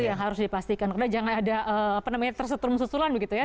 itu yang harus dipastikan karena jangan ada apa namanya tersusulan begitu ya